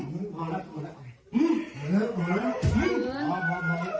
มึงถามแม่อย่างกูอะไร